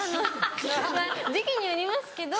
時期によりますけど。